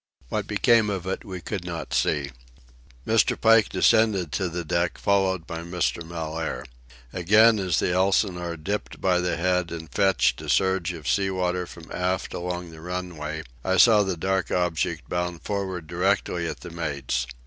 What became of it we could not see. Mr. Pike descended to the deck, followed by Mr. Mellaire. Again, as the Elsinore dipped by the head and fetched a surge of sea water from aft along the runway, I saw the dark object bound for'ard directly at the mates.